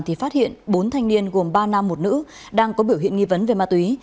thì phát hiện bốn thanh niên gồm ba nam một nữ đang có biểu hiện nghi vấn về ma túy